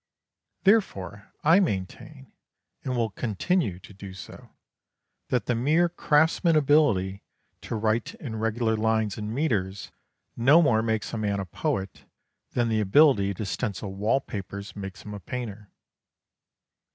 Therefore I maintain, and will continue to do so, that the mere craftsman ability to write in regular lines and metres no more makes a man a poet than the ability to stencil wall papers makes him a painter.